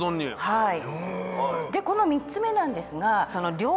はい。